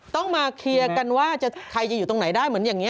ต้องมาเคลียร์กันว่าใครจะอยู่ตรงไหนได้เหมือนอย่างนี้